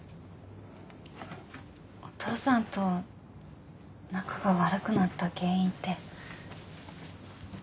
お父さんと仲が悪くなった原因って？